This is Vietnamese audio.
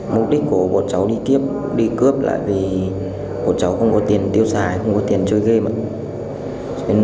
mục đích của bọn cháu đi kiếp đi cướp lại vì bọn cháu không có tiền tiêu xài không có tiền chơi game ạ